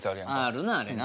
あるなあれな。